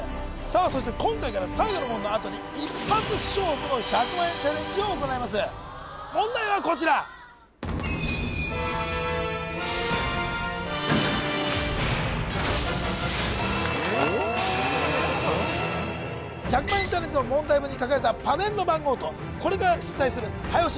そして今回から最後の門のあとに一発勝負の１００万円チャレンジを行います問題はこちら１００万円チャレンジの問題文に書かれたパネルの番号とこれから出題する早押し